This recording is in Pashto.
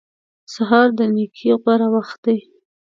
سهار د نېکۍ غوره وخت دی.